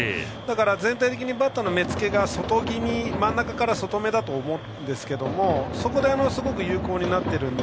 全体的にバッターの目付けが真ん中から外めだと思うんですけどそこですごく有効になっています。